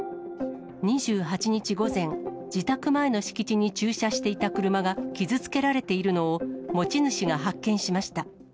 ２８日午前、自宅前の敷地に駐車していた車が傷つけられているのを、持ち主が発見しました。